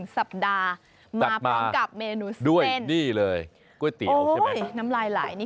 ๑สัปดาห์มาพร้อมกับเมนูเส้นด้วยนี่เลยก๋วยเตี๋ยวน้ำลายนี่